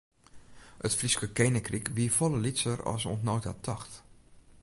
It Fryske keninkryk wie folle lytser as oant no ta tocht.